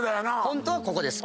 ホントはここです。